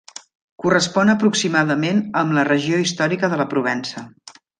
Correspon aproximadament amb la regió històrica de la Provença.